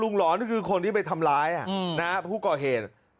ลุงหลอนี่ก็คือใช่คนที่ไปทำร้ายน่ะผู้เกาะเหตุ